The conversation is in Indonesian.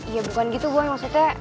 ya bukan gitu buang maksudnya